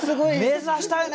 目指したいね。